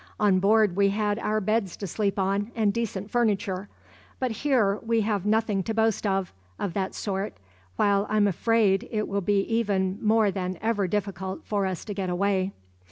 "On board we had our beds to sleep on, and decent furniture, but here we have nothing to boast of, of that sort, while I'm afraid it will be more than ever difficult for us to get away."